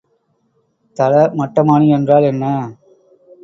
தளமட்டமானி என்றால் என்ன?